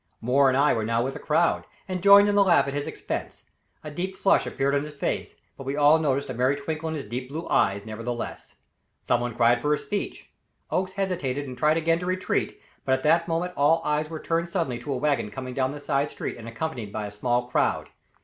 Moore and I were now with the crowd, and joined in the laugh at his expense. A deep flush appeared on his face, but we all noticed a merry twinkle in his deep blue eyes, nevertheless. Somebody cried for a speech. Oakes hesitated and again tried to retreat, but at that moment all eyes were turned suddenly to a wagon coming down the side street and accompanied by a small crowd.